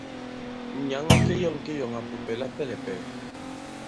Nyǎŋ a keyɔ̂ŋ kiyɔ̀ŋàpupɛ̀ lapɛlɛ̀pɛ̀lɛ̀.